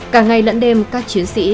cả ngày lẫn đêm các chiến sĩ